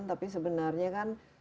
tapi sebenarnya kan